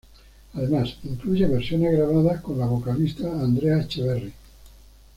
Además, incluye versiones grabadas con la vocalista Andrea Echeverri.